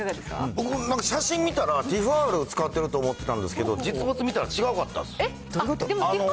僕、写真見たら、ティファールを使っていると思ってたんですけど、実物見たら、ちどういうこと？